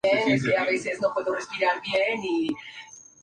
Se considera el poeta en griego más importante de los últimos dos mil años.